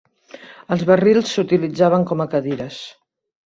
Els barrils s'utilitzaven com a cadires.